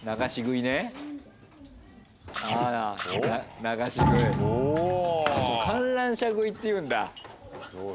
これ「観覧車食い」っていうんだ。